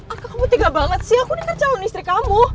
arka kamu tiga banget sih aku ini kan calon istri kamu